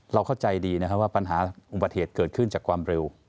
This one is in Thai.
เข้าใจดีนะครับว่าปัญหาอุบัติเหตุเกิดขึ้นจากความเร็ว